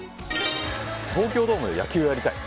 東京ドームで野球をやりたい。